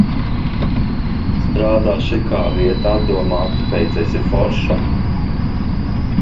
Strādā šikā vietā, domā, tāpēc esi forša.